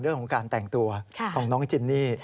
เรื่องของการแต่งตัวของน้องจินนี่